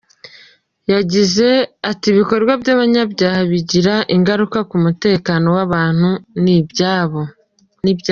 Yagize ati "Ibikorwa by’abanyabyaha bigira ingaruka ku mutekano w’abantu n’ibyabo.